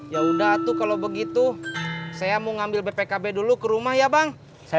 ya udah tuh kalau begitu saya mau ngambil bpkb dulu ke rumah ya bang